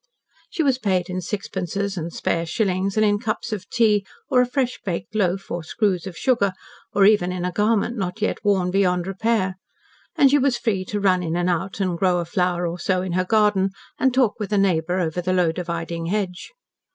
She was paid in sixpences and spare shillings, and in cups of tea, or a fresh baked loaf, or screws of sugar, or even in a garment not yet worn beyond repair. And she was free to run in and out, and grow a flower or so in her garden, and talk with a neighbour over the low dividing hedge.